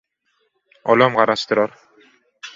Olam garaşdyrar.